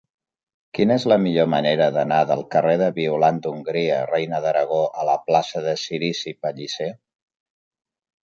Quina és la millor manera d'anar del carrer de Violant d'Hongria Reina d'Aragó a la plaça de Cirici Pellicer?